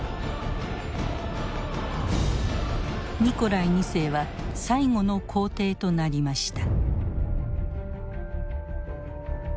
ニコライ２世は最後の皇帝となりました。